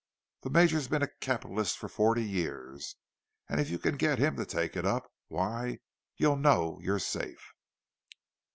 The Major's been a capitalist for forty years, and if you can get him to take it up, why, you'll know you're safe."